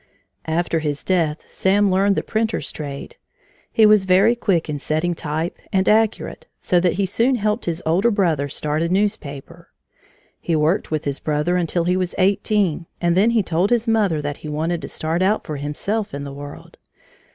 After his death Sam learned the printer's trade. He was very quick in setting type and accurate, so that he soon helped his older brother start a newspaper. He worked with his brother until he was eighteen, and then he told his mother that he wanted to start out for himself in the world.